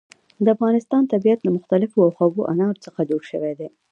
د افغانستان طبیعت له مختلفو او خوږو انارو څخه جوړ شوی دی.